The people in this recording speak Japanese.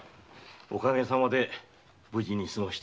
おかげさまで無事に過ごしております。